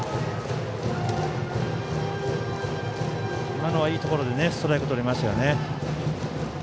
今のはいいところでストライクとりましたね。